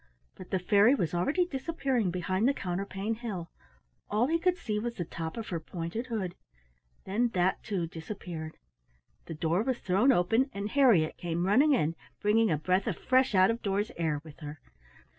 But the fairy was already disappearing behind the counterpane hill. All he could see was the top of her pointed hood. Then that too disappeared. The door was thrown open and Harriett came running in bringing a breath of fresh out of doors air with her.